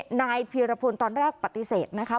นายเพียรพลตอนแรกปฏิเสธนะคะ